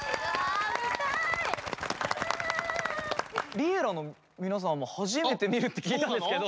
Ｌｉｅｌｌａ！の皆さんも初めて見るって聞いたんですけど。